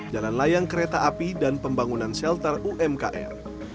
jalan layang kereta api dan pembangunan shelter umkm